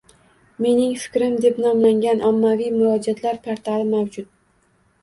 Mening fikrim deb nomlangan ommaviy murojaatlar portali mavjud